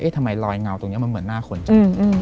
ทำไมลอยเงาตรงนี้มันเหมือนหน้าคนจัง